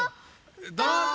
どうぞ！